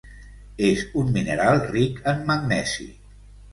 És un mineral ric en magnesi.